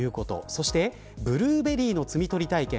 そしてブルーベリーの摘み取り体験